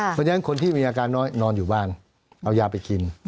เพราะฉะนั้นคนที่มีอาการน้อยนอนอยู่บ้านเอายาไปกิน